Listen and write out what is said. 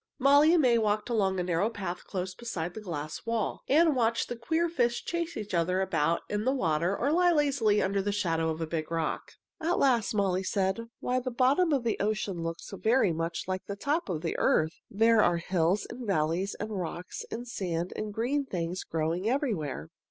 Molly and May walked along a narrow path close beside the glass wall, and watched the queer fish chase each other about in the water or lie lazily under the shadow of a big rock. At last Molly said, "Why, the bottom of the ocean looks very much like the top of the earth. There are hills and valleys and rocks and sand and green things growing everywhere."